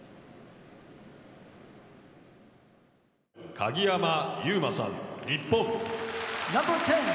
「鍵山優真さん日本」。